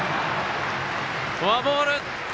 フォアボール。